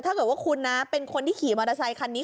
ถ้าเกิดว่าคุณนะเป็นคนที่ขี่มอเตอร์ไซคันนี้